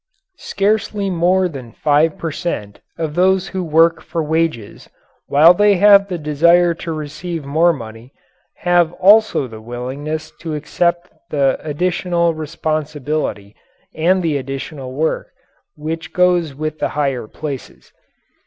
Scarcely more than five per cent, of those who work for wages, while they have the desire to receive more money, have also the willingness to accept the additional responsibility and the additional work which goes with the higher places.